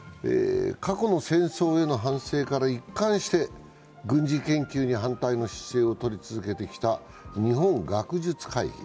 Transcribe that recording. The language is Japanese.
過去の戦争への反省から一貫して軍事研究に反対の姿勢をとり続けてきた日本学術会議。